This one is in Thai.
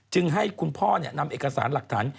จึงให้คุณพ่อเนี่ยนำเอกสารหลักฐาน